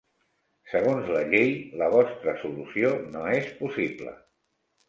Segons la llei, la vostra solució no és possible.